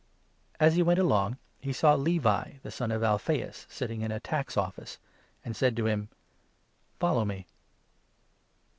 As he went along, he saw Levi, the son of 14 Alphaeus, sitting in the tax office, and said to him :'' Follow me.